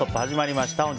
始まりました。